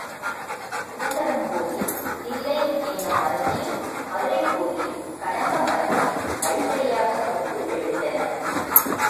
சிதம்பரம் கோயில் தில்லை என்னும் மரத்தையும் மதுரைக் கோயில் கடம்ப மரத்தையும் அடிப்படை யாகக் கொண்டு எழுந்தன.